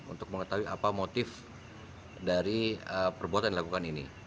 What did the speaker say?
untuk mengetahui apa motif dari perbuatan yang dilakukan ini